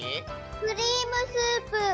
クリームスープ。